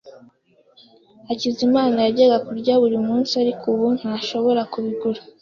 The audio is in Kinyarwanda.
Hakizimana yajyaga kurya buri munsi, ariko ubu ntashobora kubigura.